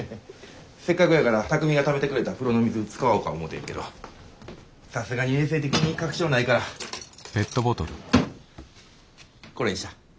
せっかくやから巧海がためてくれた風呂の水使おか思てんけどさすがに衛生的に確証ないからこれにした。